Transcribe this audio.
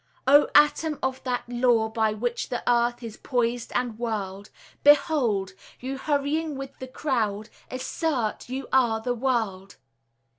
"O atom of that law, by which the earth Is poised and whirled; Behold! you hurrying with the crowd assert You are the world."